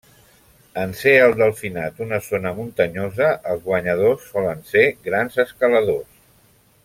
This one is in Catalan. En ser el Delfinat una zona muntanyosa, els guanyadors solen ser grans escaladors.